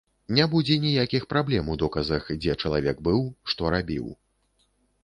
Не будзе ніякіх праблем у доказах, дзе чалавек быў, што рабіў.